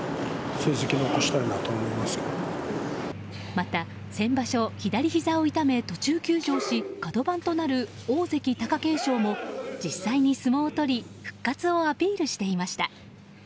また、先場所左ひざを痛め途中休場し角番となる大関・貴景勝も実際に相撲をとり復活をアピールしていました。